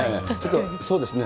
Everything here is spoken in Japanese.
そうですね。